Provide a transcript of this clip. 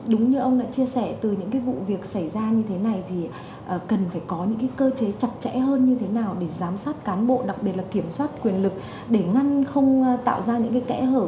đúng như ông đã chia sẻ từ những cái vụ việc xảy ra như thế này thì cần phải có những cơ chế chặt chẽ hơn như thế nào để giám sát cán bộ đặc biệt là kiểm soát quyền lực để ngăn không tạo ra những cái kẽ hở